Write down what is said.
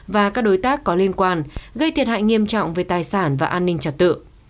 và các đối tác có liên quan gây thiệt hại nghiêm trọng về tài sản và an ninh trật tự